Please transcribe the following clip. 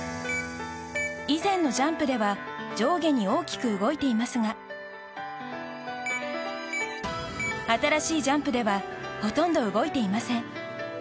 以前のジャンプでは上下に大きく動いていますが新しいジャンプではほとんど動いていません。